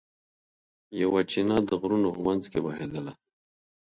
یوه چینه د غرونو په منځ کې بهېدله.